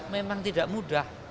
memang tidak mudah